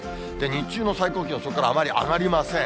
日中の最高気温、それからあまり上がりません。